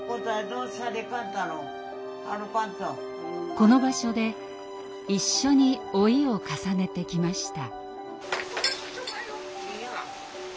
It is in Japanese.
この場所で一緒に老いを重ねてきました。